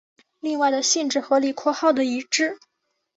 另外的性质和李括号的一致。